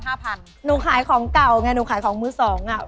หนูขายของเก่าไงหนูขายของมือสองอ่ะ